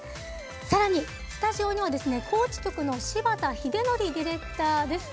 さらにスタジオには高知局の柴田英徳ディレクターです。